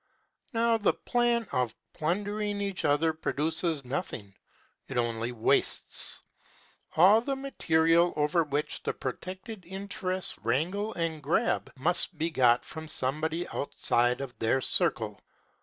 Now, the plan of plundering each other produces nothing. It only wastes. All the material over which the protected interests wrangle and grab must be got from somebody outside of their circle.